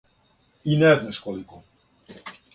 И не знаш колико.